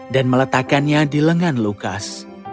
dan meletakkannya di lengan lukas